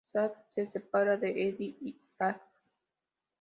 Zach se separa de Ed y Bradley.